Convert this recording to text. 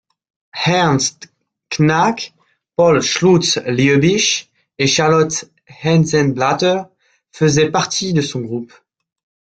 Ernst Knaack, Paul Schultz-Liebisch et Charlotte Eisenblätter faisaient partie de son groupe.